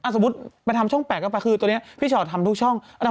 สมมุติไปทำช่อง๘กันละคือพี่ฉอร์ทำทุกช่อง